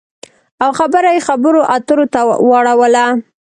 او خبره یې خبرو اترو ته واړوله